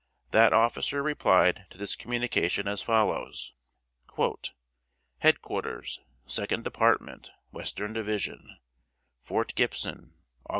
That officer replied to this communication as follows: "HEAD QUARTERS 2D DEPARTMENT, WESTERN DIVISION,} Fort Gibson, Aug.